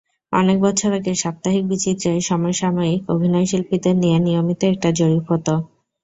অনেক বছর আগে সাপ্তাহিক বিচিত্রায় সমসাময়িক অভিনয়শিল্পীদের নিয়ে নিয়মিত একটা জরিপ হতো।